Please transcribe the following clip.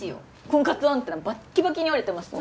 婚活アンテナバッキバキに折れてます